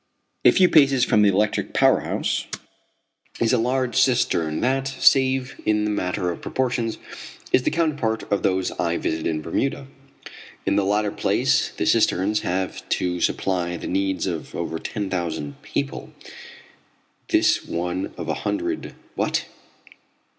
A few paces from the electric power house is a large cistern that, save in the matter of proportions, is the counterpart of those I visited in Bermuda. In the latter place the cisterns have to supply the needs of over ten thousand people, this one of a hundred what?